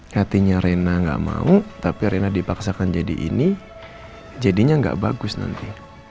hatinya reyna nggak mau tapi reyna dipaksakan jadi ini jadinya nggak bagus nanti